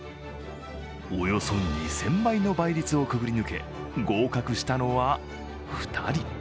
およそ２０００倍の倍率をくぐり抜け合格したのは、２人。